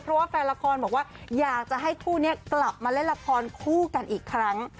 เพราะว่าแฟนละครบอกว่าอยากจะให้คู่นี้กลับมาเล่นละครคู่กันอีกครั้ง